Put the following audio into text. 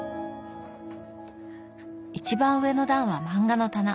一番上の段は漫画の棚。